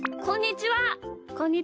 こんにちは。